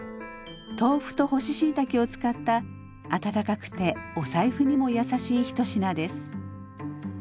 豆腐と干ししいたけを使ったあたたかくてお財布にも優しい一品です。